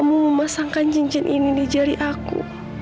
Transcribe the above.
aku mau kamu memasangkan cincin ini di jari aku